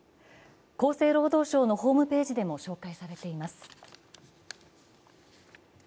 厚生労働省のホームページでも紹介されています。